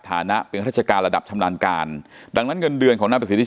ฐานะเป็นราชการระดับชำนาญการดังนั้นเงินเดือนของนายประสิทธิ